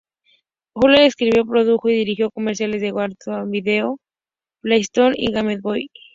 Hurley escribió, produjo y dirigió comerciales de Warner Home Video, PlayStation y Game Boy.